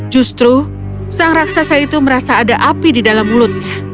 justru sang raksasa itu merasa ada api di dalam mulutnya